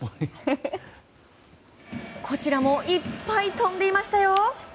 こちらもいっぱい飛んでいましたよ！